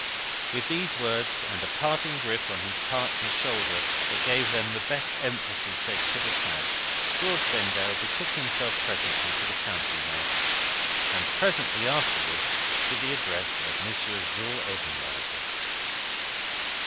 With these words, and a parting grip of his partner's shoulder that gave them the best emphasis they could have had, George Vendale betook himself presently to the counting house, and presently afterwards to the address of M. Jules Obenreizer.